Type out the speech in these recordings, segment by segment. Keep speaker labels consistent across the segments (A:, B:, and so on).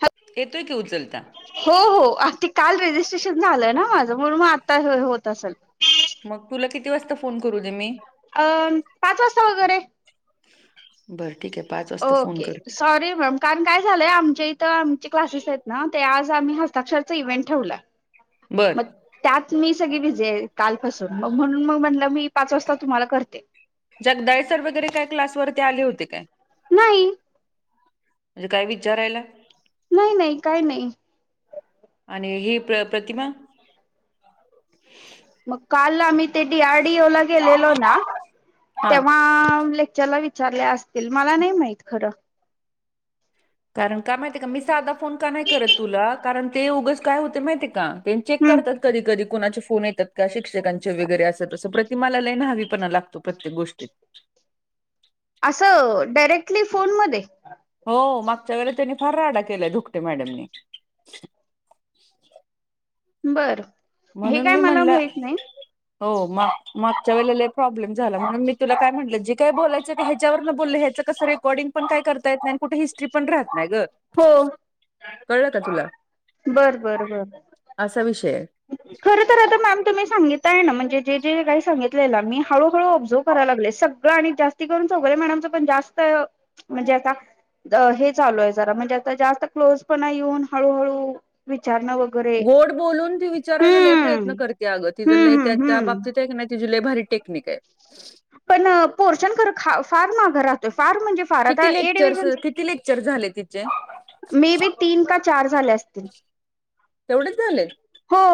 A: ह.
B: येतूय घेऊ चलता.
A: हो हो अगदी काल रेजिस्ट्रेशन झालंय ना माझं म्हणून मग आता होत असेल.
B: मग तुला किती वाजता फोन करू दे मी
A: अ पाच वाजता वगैरे
B: बरं ठीक आहे पाच वाजता फोन
A: ओके
B: करते.
A: [unintelligible] कारण काय झालंय आमच्या इथं आमचे क्लासेस आहेत ना ते आज आम्ही हस्ताक्षरच इव्हेंट ठेवला.
B: बर
A: [unintelligible] त्यात मी सगळी विजी आहे कालपासून मग म्हणून मग म्हटलं मी पाच वाजता तुम्हाला करते.
B: जगदाय सर वगैरे काय क्लासवररती आले होते काय?
A: नाही.
B: म्हणजे काय विचारायला
A: नाही नाही काय नाही.
B: आणि ही प्र प्रतिमा
A: मग काल आम्ही ते डी आरडीओ ला गेलेलो ना
B: हा
A: तेव्हा लेक्चरला विच चाले असतील मला नाही माहित खरं.
B: कारण का माहितीय का मी साधा फोन का नाही करत तुला कारण ते उगस काय होते माहितीय का? चेक
A: हम्म
B: करतात. कधी कधी कोणाचे फोन येतात का शिक्षकांचे वगैरे असत असं प्रतिमाला लईन हवीपणा लागतो प्रत्येक गोष्टीत
A: असं डायरेक्टली फोन मध्ये
B: हो मागच्या वेळे त्यांनी फार राडा केलाय धुकटे मॅडमनी
A: बर हे
B: म्हणून
A: काय
B: मी
A: मला
B: म्हणलं
A: माहित नाही.
B: हो मग मागच्या वेळेला प्रॉब्लेम झाला म्हणून मी तुला काय म्हटलं जी काही बोलायचं. ह्याच्यावरं बोललं हचं कसं रेकॉर्डिंगणय करता य नाही आणि कुठे हिस्ट्री पण राहत नाही ग.
A: हो.
B: कळलं का तुला?
A: बरं बरं बर.
B: असा विषय
A: खर खर आता मॅम तुम्ही सांगित. य ना म्हणजे जे जे काही सांगितलेला मी हळूहळू ऑबझर्व कराय लागले सगळं आणि जास्त करून [unintelligible] मॅडमच पण जास्त म्हणजे आता हे चालू आहे जरा म्हणजे आता जास्त क्लोज पण येऊन हळूहळू विचारणंर.
B: गोड बोलून ती विचारायला ल प्रयत्न करते अगं ती जर ल
A: हम्म हम्म
B: त्याच्या
A: हम्म
B: बाबतीत एक तिची भारी टेक्निक हाय.
A: पण पोर्शन कर फार माघार राहतोय फार म्हणजे फार आता
B: किती
A: ए
B: लेक्चरस
A: डिव्हिजन
B: किती लेक्चर झाले तिचे
A: मे बी तीन का चार झाले असतील.
B: तेवढेच झालय.
A: हो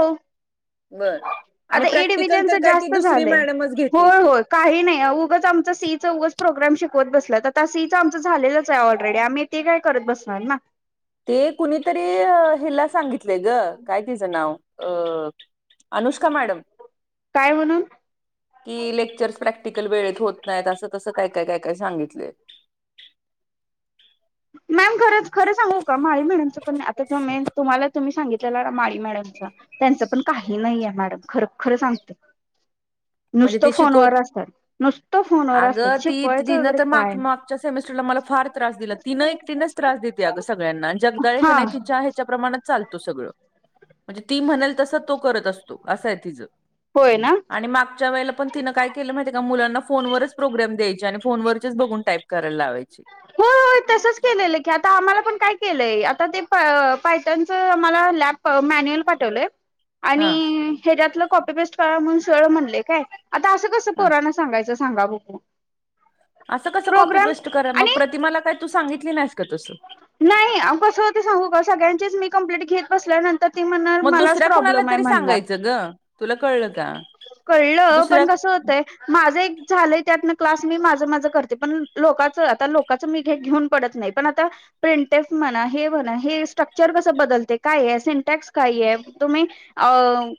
B: बर आणि
A: आता ए
B: प्रॅक्टिकल
A: डिव्हिजनच
B: तर काय त
A: जास्त
B: दुसरी
A: झालंय.
B: मॅडमच घेतीय
A: होय
B: ती
A: होय काही नाही उगच आमचं सीचं उगच प्रोग्राम शिकवत बसल्यात सीचं आमचं झालेलंच आहे ऑलरेडी आम्ही ते काय करत बसणार ना.
B: ते कुणीतरी हेला सांगितलेय ग काय तिचं नाव अ. अनुष्का मॅडम
A: काय म्हणून
B: की लेक्चर्स प्रॅक्टिकल वेळेत होत नाहीत असं तसं काय काय काय काय सांगितले.
A: मॅम खरं खरं सांगू का मा म्हणयचं पण आता तुम्हाला तुम्ही सांगितलं. आपल्याला माळी मॅडमच त्यांच पण काही नाही आहे मॅडम खर खर सांगत.
B: म्हणजे
A: नुसतं
B: ती शिकवत
A: फोनवर असतात नुसतं फोनवर असतात शिकवायचं वगैरे काय
B: पुढच्या सेमिस्टर ला मला फार त्रास दिला तिन एकटीनेच त्रास देते. अ सगळ्यांना जगदाळे क
A: हा
B: नाय तिच्या ह्याच्या प्रमाणात चालतो सगळं म्हणजे ती म्हणल तसं तो करत असतो. असं आहे तिचं
A: होय ना
B: आणि मागच्या वेळेला पण तिनं काय केलं. माहितीय का मुलांना फोनवरच प्रोग्राम द्यायचे ज्याने फोन वरचे बघून टाईप करायला लावायची.
A: होय तसंच केलेलं की आता आम्हाला पण काय केलंय. आता ते प मॅन्युअल पाठवलंय
B: हा
A: आणि आता असं कसं.
B: हा
A: पोराना सांगायचं सांगा बघू
B: असं कसं कॉपी
A: प्रोग्राम
B: पेस्ट कराय मग
A: आणि
B: प्रतिमाला काय तू सांगितली नाहीस का तसं
A: नाही आ कसं हो ते सांगू का सगळ्यांचीच मी कंप्लेंट घेत. बसल्यानंतर ती म्हणणार
B: मग
A: मलाच
B: दुसऱ्या कुणाला
A: प्रॉब्लेम आहे
B: तरी
A: म्हणणार
B: सांगायचं ग तुला कळलं. का
A: कळलं
B: दुसऱ्या
A: पण कसं होत. ते माझं एक झालय त्यातनं क्लास मी माझ माझ करते. पण लोकांचं आता लोकांचं तसं मी हे घेऊन पडत नाही. पण आ प्रिंटेफ म्हणा हे म्हणा हे स्ट्रक्चर कसं बदलते काय आहे सिंटॅक्स काय आहे. तुम्ही अ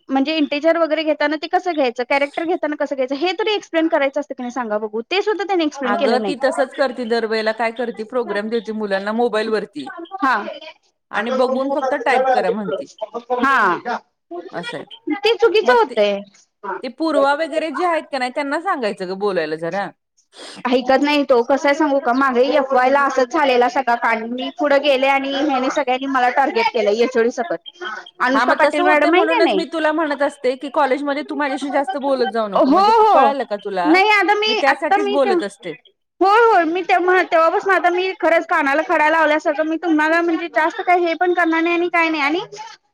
A: म्हणजे इंटेजर वगैरे घेताना ते कस घ्यायच कॅरेटर घेताना. कस घ्यायचं हे तरी एक्सप्लेन करायचं. सांगा बघू ते सुद्धा त्याने एक्सप्लेन
B: अगं
A: केलं
B: ती
A: नाही
B: तसंच करते दरवेळेला काय करते प्रोग्रॅम देते मुलांना मोबाईल वरती.
A: हा
B: आणि बघून फक्त टाईप करा म्हणते
A: हा
B: असं आहे
A: ते चुकीचं
B: मग ते
A: होते.
B: ते पूर्वा वगैरे, जे आहेत का नाही. त्यांना सांगायचं ग बोलायला जरा
A: ऐकत नाही तो कसाय सांगू मागे एफवाय ला असंच. झालेला सगळा पण मी पुढे गेले आणि ह्याने सगळ्यांनी मला टार्गेट [unintelligible]
B: [unintelligible] हा
A: अनुष्का
B: मग
A: पाटील
B: तसं होते.
A: मॅडम आहे का
B: म्हणूनच
A: नाही
B: मी तुला म्हणत असते, की कॉलेजमध्ये तु माझ्याशी जास्त बोलत जाऊ नको
A: हो
B: म्हणजे
A: हो
B: कळायला तुला
A: नाही आता
B: मी
A: आता
B: त्यासाठीच
A: मी ते
B: बोलत असते.
A: होय होय मी तेव्हा तेव्हापासून आता मी खरंच कानाला खडा लावल्यासारखं मी तुम्हाला म्हणजे जास्त काय हे, पण करणार नाही आणि काय नाही. आणि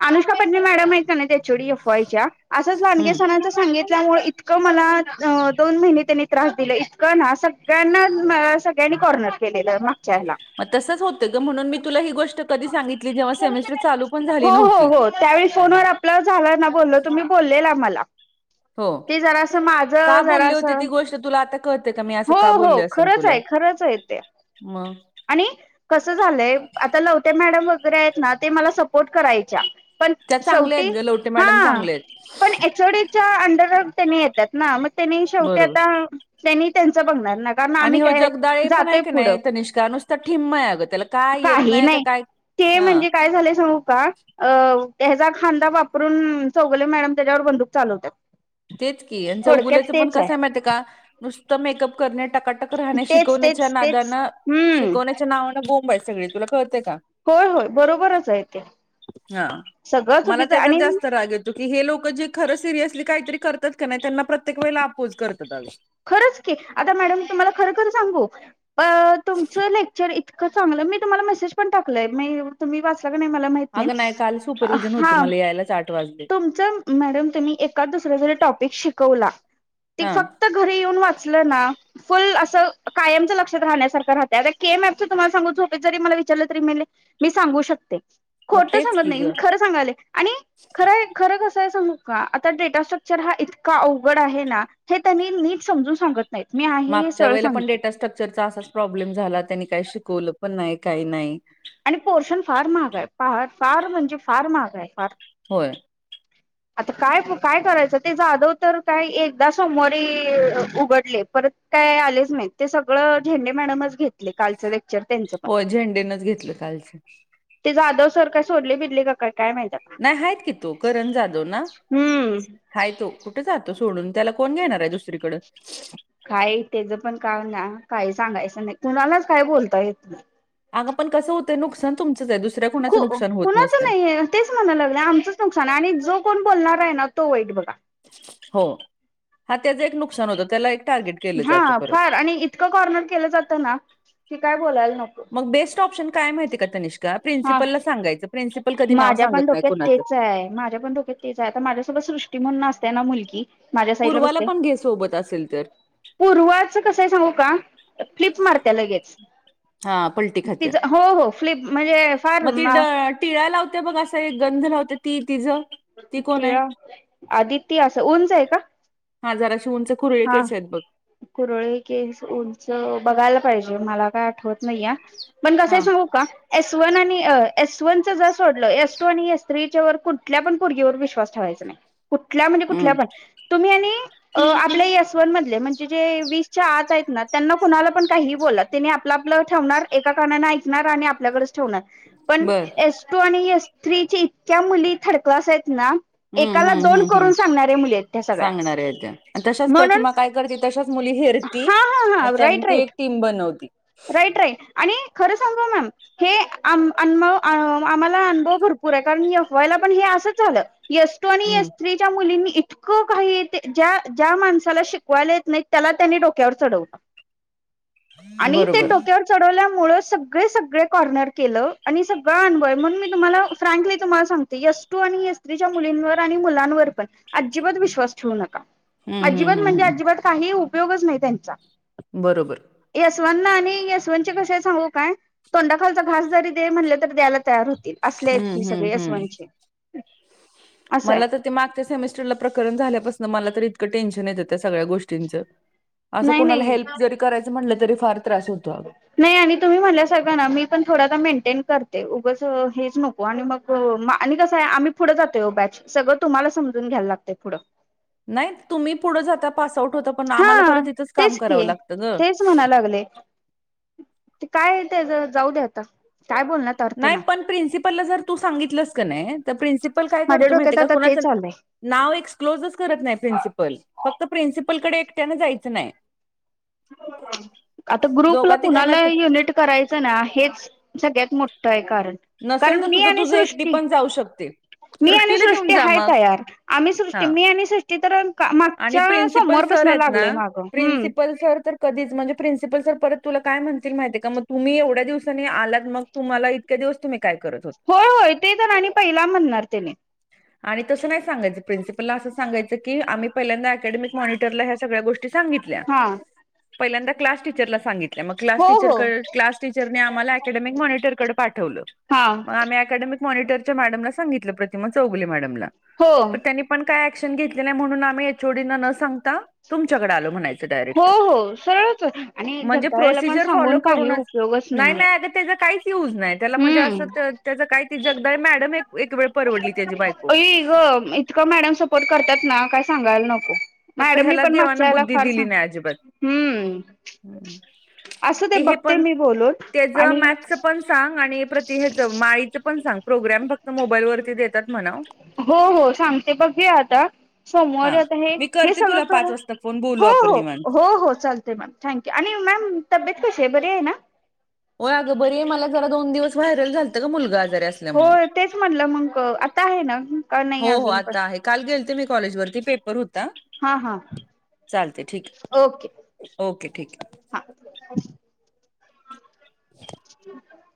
A: अनुष्का पडणे मॅडम आहेत काय नाही एचओडी एफवाय च्या असंच
B: हम्म
A: क ना सगळ्यांना सगळ्यांनी कॉर्नर केलेलं. मागच्या ह्याला
B: मग तसंच होतं ग म्हणून, मी तुला ही गोष्ट कधी सांगितली जेव्हा सेमेस्टर चालू पण
A: हो
B: झाली
A: हो
B: नव्हती.
A: हो त्यावेळी फोन वर आपलं झालं. ना बोललो तुम्ही बोललेला मला
B: हो
A: ते जरा अस माझ
B: का
A: जरा
B: बोलले
A: अस
B: होते ती गोष्ट तुला आता कळते का मी असं
A: हो हो खरंच आहे. खरंच य तेे
B: म
A: आणि कस झालंय. आता लवते मॅडम वगैरे आहेत. ना ते मला सपोर्ट करायच्या पण
B: त्या चांगल्या
A: शेवटी
B: आहेत ग लवटे मॅडम
A: हा
B: चांगले
A: पण
B: आहेत
A: एचओडीच्या अंडरवर त्यांनी येतात. ना मग त्यांनी शेवटी
B: बरोबर
A: आता त्यांनी त्यांच बघणार ना कारण
B: आणि
A: आम्ही
B: हो
A: काय
B: जगदाळे पण आहे.
A: जातोय
B: का
A: पुढं
B: नाय तनिष्का नुसत ठिम्म आहे अगं त्याला काय येत नाही. का काय
A: ते
B: हा
A: म्हणजे काय झालंय सांगू का अ त्याचा खांदा वापरून चौगले मॅडम त्याच्यावर बंदूक चालवतात.
B: तेच की चौगुले
A: थोडक्यात
B: पण
A: तेच
B: कसय आहे. माहितीय का नुसतं मेकअप करणे. टकाटक राहणे
A: तेच
B: शिकवण्याच्या
A: तेच तेच
B: नादाानं
A: हम्म
B: शिकवण्याच्या नावानं बोंब आहे सगळे तुला कळतेय का
A: होय होय बरोबरच आहे ते
B: हा मला
A: सगळंचभीच
B: त्याचाच
A: आणि,
B: जास्त राग येतो की हे लोक जे खरं सिरियसली काहीतरी करतात का नाही त्यांना प्रत्येक वेळेला अपोज करतात. अगं
A: खरच, की आता मॅडम तुम्हाला खरखर सांगू तुमचं लेक्चर इत क चांगलं मी तुम्हाला मेसेज पण टाकलंय म तुम्ही वाचला का नाही मला माही
B: अगं नाही काल सुपर्विजन होती मला यायलाच आठ वाजले.
A: [unintelligible] मॅडम तुम्ही एखाद दुसर जरी टपिक शिकवला ती
B: हा
A: फक्त क्त घरी येऊन वाचलं ना फुल असं कायमचं लक्षात राहण्यासारख राहते आता के मॅपचं तुम्हाला सांगून झोपेत जरी मला विचारलं तरी मला मी सांगू शकते.
B: मग
A: खोटं
B: तेच
A: सांगत
B: की
A: नाही
B: ग
A: मी खरं सांगायले आणि खरय खरं कसं आहे सांगू का आता डेटास्ट्रक्चर हा इतका अवघड आहे ना, हे तुम्ही नीट समजून सांगत नाहीत मी आहे हे
B: मागच्या
A: सरळ
B: वेळेला पण
A: सांगते
B: डेटास्ट्रक्चरचा असाच प्रॉब्लेम झाला, त्यांनी काही शिकवलं पण नाही काही नाही
A: आणि पोर्शन फार महाग आहे फार म्हणजे फार महाग आहे, फार
B: होय
A: आता काय काय करायचं, ते जाधव तर काय एकदा सोमवारी उघडले परत काय आलेच नाहीत. ते सगळं झेंडे मॅडमच घेतले कालच लेक
B: हो झेंडेनच घेतलं कालचं.
A: ते जाधव सर काय सोडले बिडले का काय काय माहित्या
B: नाय आहेत की त्या करण जाधव ना?
A: हम्म
B: हाय तो कुठे जातो सोडून त्याला कोण घेणार आहे दुसरीकड.
A: काय त्याचं पण काम ना काही सांगायचं नाही कुणालाच काय बोलता येत नाही.
B: अग पण कसं होतय नुकसान तुमचंच आहे दु
A: ख कुणाच नाहीय तेच म्हणायला लागलं आमचच नुकसान आहे आणि जो कोण बोलणार आहे ना तो वाईट बघा.
B: हो हा त्याचं एक नुकसान होत त्याला एक टार्गेट केलं जातं
A: हा
B: परत.
A: फार आणि इतकं कॉर्नर केलं जातं ना कि काय बोलायला नको.
B: मग बेस्ट ऑप्शन काय माहिती का तनिष्का
A: हा
B: प्रिन्सिपलला सांगायचं. प्रिन्सिपल कधी नाव
A: माझ्या पण
B: सांगत नाही
A: डोक्यात
B: कोणाचं
A: तेच आहे, माझ्या पण डोक्यात तेच आहे आता माझ्यासोबत सृष्टी म्हणून असते ना मुलगी माझ्या साईडला
B: पूर्वाला पण घे सोबत अस
A: पूर्वाच कसंय सांगू का फ्लिप मारते लगेच.
B: हा पलटी खात्या
A: पि हो हो फ्लिप म्हणजे फार म
B: टीळा लावत्या बघ असं एक गंध लावते ती तिचं? ती कोण आहे
A: टिळा आदिती असं उंच आहे का?
B: हा जाराशी उंच, कुरळे
A: हा
B: केस आहेत बघ.
A: कुरळे केस, उंच बघायला पाहिजे मला काय आठवत नाहीये पण
B: हा
A: कसय सांगू का एस वन आणि एस वन च जर सोडलं एस टू आणि एस थ्री च्यावर कुठल्या पण पोरगीवर विश्वास ठेवायचा चा नाय, कुठल्या म्हणजे कुठल्या
B: हम्म
A: पण तुम्ही आणि अह आपले एस वन मधले म्हणजे जे वीसच्या आत आहेत ना त्यांना कुणाला पण काहीही बोला त्यांनी आपलं आपलं ठेवणार एका कानाने ऐकणार आणि आपल्याकडच ठेवनार पण
B: बर
A: एस टू आणि एस थ्रीची इतक्या मुली थर्ड क्लास आहेत ना
B: हम्म
A: एकाला दोन करून सांगणाऱ्या मुली आहेत त्या सगळ्या
B: [unintelligible] तशच
A: म्हणून
B: प्रतिमा काय करते तशाच मुली हेरती
A: हा हा
B: आणि
A: हा राईट
B: त्यांची
A: राईट
B: एक टीम बनवती.
A: Right right. आणि खरं सांगू मॅम हे आम आम आम्हाला अनुभव भरपूर आहे कारण की एफ वाय ला पण हे असंच झालं. एस टू
B: हम्म.
A: एस थ्री च्या मुलीनी इ इतकं काही ते ज्या ज्या माणसाला शिकवायला येत नाही त्याला त्यानी डोक्यावर चढवलं आणि ते
B: बरोबर
A: डोक्यावर चढवल्यामुळे सगळे सगळे कॉर्नर केलं आणि सगळं अनभव म्हणून मी तुम्हाला फ्रँकली तुम्हाला सांग ते एस टु आणि एस थ्री च्या मुलींवर आणि मुलांवर पण अजिबात विश्वास ठेवू नका.
B: हम्म हम्म
A: अजिबात
B: हम्म
A: म्हणजे
B: हम्म
A: अजिबात काही उपयोगच नाही त्यांचा.
B: बरोबर.
A: एस वन आणि एस वन चे कशे येत सांगू काय तोंडाखालचा घास जरी दे म्हणले तरी द्यायला तयार होत तील असले
B: हम्म
A: की सगळे
B: हम्म
A: एस
B: हम्म
A: वन चे.
B: मला तर ते मागच्या सेमेस्टरला प्रकरण झाल्यापासन मला तर इतकं टेन्शन येतं त्या सगळ्या गोष्टींचं असं
A: नाही
B: कोणाला
A: नाही
B: हेल्प जरी करायचं म्हटलं तरी फार त्रास होतो अग.
A: आणि तुम्ही म्हणल्या सगळं ना मी पण थोडा आता मेंटेन करते उगाच हेच नक को आणि मग आणि कसं आहे आम्ही पुढं जातोय ओ बॅच सगळं तुम्हाला समजून घ्यायला लागतय पुढं.
B: नाही तुम्ही पुढं जात पास आउट होता पण आम्हाला
A: हा
B: परत इथंच काम करावं लागतं ग.
A: ओले. ते काय ते जाऊ दे आता काय बोलणात.
B: नाही पण प्रिन्सिपला जर तू सांगितलंस का नाही तर प्रिन्सिपल काय
A: माझ्या
B: करतो माहिती
A: डोक्यात
B: का
A: आता
B: कुणाच
A: तेच आलंय.
B: नाव एक्सक्लोजच करत नाही प्रिन्सिपल फक्त प्रिन्सिपलकडे एकट्यान जायचं नाही.
A: आता ग्रुपला
B: दोघा तिघांना
A: कुणाला युनिट करायचं ना हेच सगळ्यात मोठं आहे कारण.
B: नसेल
A: कारण
B: तर
A: मी
B: तुझं
A: आणि
B: तुझं एकटी
A: सृष्टी
B: पण जाऊ शकते.
A: मी आणि
B: सृष्टीला घेऊन
A: सृष्टी
B: जा
A: हाय
B: मग
A: तयार आम्ही सृष्टी
B: हा
A: मी आणि सृ ते तर
B: आणि
A: मागच्या समोर
B: प्रिन्सिपल
A: सोमवार
B: सर
A: पासन
B: आहेत ना
A: लागलोय मागं हम्म.
B: [unintelligible] तर. कधीच म्हणजे प्रिन्सिपल सर परत तुला काय म्हणतील माहित ये का मग तुम्ही एवढ्या दिवसानी आलात मग तुम्हाला इतक्या दिवस तुम्ही काय करत होत
A: होय ते तर आणि पहिला म्हणणार त्याने.
B: आणि तसं नाही सांगायचं प्रिन्सिपलला असं सांगायचं की आम्ही पहिल्यांदा अकॅडमीक मॉनिटरला ह्या सगळ्या गोष्टी सांगितल्या
A: हा
B: पहिल्यांदा क्लास टीचरला सांगित तल्या मग क्लास
A: हो
B: टीचर
A: हो
B: क्लास टीचरने आम्हाला अकॅडमीक मॉनिटरकडे पाठवलं.
A: हा
B: मग आम्ही अकॅडमीक मॉनिटरच्या मॅडमला सांगितलं प्रतिमा चौगुले मॅडमला.
A: हो.
B: पण त्यांनी पण काय ऍक्शन घेतले म्हणून आम्ही एच ओ डी ना न सांगता तुमच्याकडे आलो म्हणाय च
A: हो
B: डायरेक्ट
A: हो सरळच आणि
B: म्हणजे
A: जगदाळेला पण
B: प्रोसिजर फॉलो
A: सांगून काही
B: करूनच
A: उपयोगच
B: नाही
A: नाहीये
B: नाही अगं त्याचं काहीच युज नाहीत. त्याला म्हणजे असं त
A: हम्म
B: त्याच काय ती जगदाळे मॅडम एक एक वेळ परवडली त्याची बायको.
A: तिकड मॅडम सपोर्ट करतात ना काय सांगायला नको.
B: फक्त
A: मॅडम
B: ह्याला
A: पण मागच्या
B: देवानं
A: वेळेला
B: बुद्धी
A: फार
B: दिली
A: सांग
B: नाही अजिबात.
A: हम्म.
B: हम्म.
A: असू दे
B: ते हे
A: बघते
B: पण
A: मी बोलून
B: त्याच
A: आणि
B: मॅथच पण सांग आणि प्रति हेच माळीचं पण सांग प्रोग्राम फक्त मोबाईल वरती देतात म्हणाव.
A: हो हो सांगते बघू आता सोमवार
B: हा
A: आता हे
B: मी
A: हे
B: करते
A: सगळं
B: तुला
A: कर
B: पाच वाजता फोन बोलू आपण
A: हो हो
B: निवांत.
A: हो. हो चालते मॅम थँक्यू आणि मॅम तब्येत कशी आहे बरी आहे ना.
B: हो अगं बरी मला जरा दोन दिवस व्हायरल झालंत ग मुलगा आजारी असल्या
A: हो तेच म्हणलं मग आता आहे ना का नाही
B: हो हो
A: अजून पण.
B: आता आहे काल गेलती मी कॉलेज वरती पेपर होता.
A: हां हां
B: चालते ठीक आहे ओके ठीक आहे.
A: हा. [unintelligible]